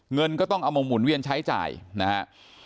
เงินก็ต้องเอามาหมุนเวียนใช้จ่ายนะครับ